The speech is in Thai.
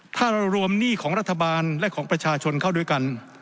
ถ้าเรารวมหนี้ของรัฐบาลและของประชาชนเข้าด้วยกัน